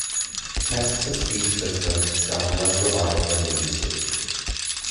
Text to speech systems sounds less robotic than they used to.